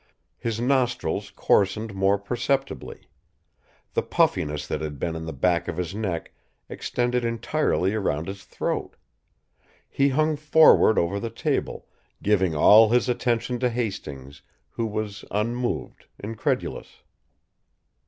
His nostrils coarsened more perceptibly. The puffiness that had been in the back of his neck extended entirely around his throat. He hung forward over the table, giving all his attention to Hastings, who was unmoved, incredulous.